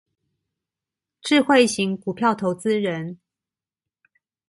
智慧型股票投資人